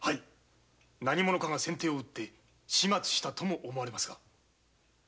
何者かが先手を打って始末したとも思われます。